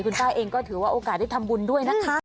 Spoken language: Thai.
คุณป้าเองก็ถือว่าโอกาสได้ทำบุญด้วยนะคะ